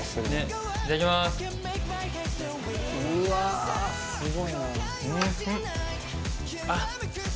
うわ、すごいな。